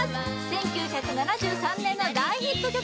１９７３年の大ヒット曲